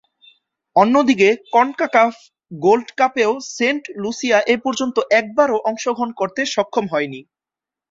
অন্যদিকে, CONCACAF Gold কাপেও Saint Lucia এপর্যন্ত একবারও অংশগ্রহণ করতে সক্ষম হয়নি।